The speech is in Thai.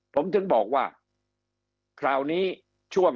คำอภิปรายของสอสอพักเก้าไกลคนหนึ่ง